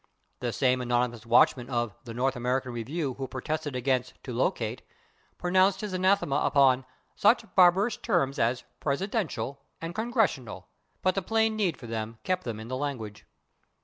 The same anonymous watchman of the /North American Review/ who protested against /to locate/ pronounced his anathema upon "such barbarous terms as /presidential/ and /congressional/," but the plain need for them kept them in the language.